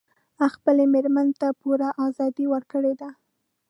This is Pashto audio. هغه خپلې میرمن ته پوره ازادي ورکړي ده